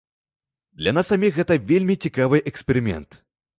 Для нас саміх гэта вельмі цікавы эксперымент.